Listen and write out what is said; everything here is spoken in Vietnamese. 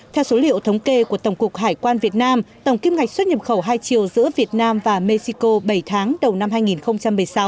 theo số liệu thống kê của tổng cục hải quan việt nam tổng kim ngạch xuất nhập khẩu hai chiều giữa việt nam và mexico bảy tháng đầu năm hai nghìn một mươi sáu